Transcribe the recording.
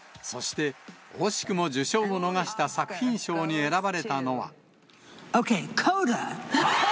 そして、惜しくも受賞を逃した作品賞に選ばれたのは。